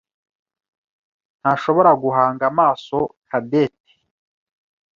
ntashobora guhanga amaso Cadette.